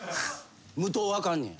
無糖はあかんねや？